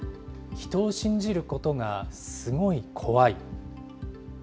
人を信じることがすごい怖い。